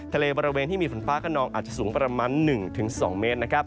ทะเลบริเวณที่มีฝนภาคกระนองอาจจะสูงประมาณ๑๒เมตร